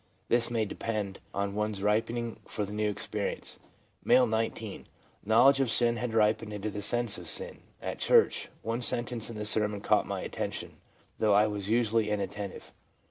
This may depend on one's ripeness for the new experience. M., 19. ' Knowledge of sin had ripened into the sense of sin ; at church one sentence in the sermon caught my attention, though I was usually inattentive.